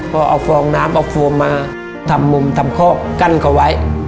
พอเอาฟองน้ำเอาโฟมมาทำมุมทำคอกกั้นเขาไว้